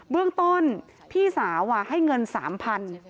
เรื่องต้นพี่สาวให้เงิน๓๐๐บาท